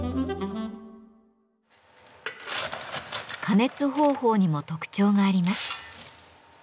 加熱方法にも特徴があります。